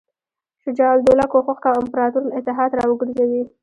شجاع الدوله کوښښ کاوه امپراطور له اتحاد را وګرځوي.